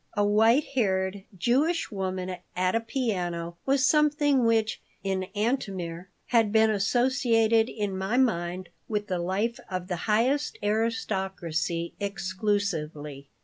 A white haired Jewish woman at a piano was something which, in Antomir, had been associated in my mind with the life of the highest aristocracy exclusively.